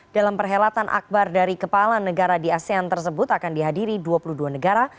dalam perhelatan akbar dari kepala negara di asean tersebut akan dihadiri dua puluh dua negara